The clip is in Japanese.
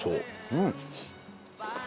うん！